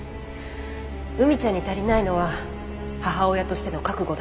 海ちゃんに足りないのは母親としての覚悟だけ。